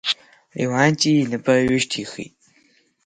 Леуанти инапы ҩышьҭихит.